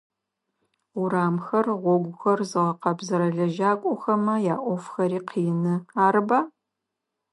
Урамхэр, гъогухэр зыгъэкъэбзэрэ лэжьакӏохэмэ яӏофхэри къины, арыба?